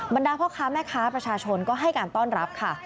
บรรดาพ่อค้าแม่ค้าประชาชนก็ให้การต้อนรับค่ะ